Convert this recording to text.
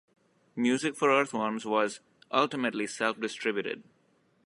"Music for Earthworms" was ultimately self-distributed.